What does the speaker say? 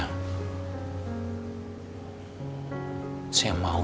tolong dok bantu pulihkan mental anak saya